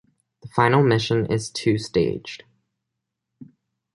The final mission is two-staged.